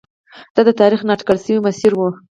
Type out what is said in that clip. دا د تاریخ نا اټکل شوی مسیر و.